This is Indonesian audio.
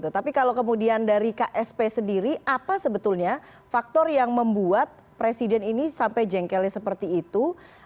tapi kalau kemudian dari ksp sendiri apa sebetulnya faktor yang membuat presiden ini sampai jengkelnya seperti itu